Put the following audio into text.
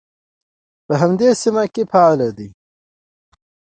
په همدې سیمه کې فعال دی.